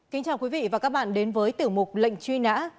kính chào quý vị và các bạn đến với tiểu mục lệnh truy nã